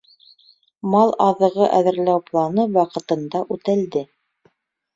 Мал аҙығы әҙерләү планы ваҡытында үтәлде.